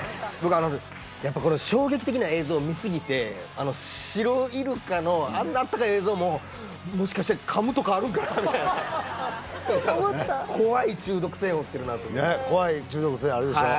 あとシロイルカのあんなあったかい映像も「もしかしてかむとかあるんかな」みたいな怖い中毒性もってるなとねっ怖い中毒性あるでしょ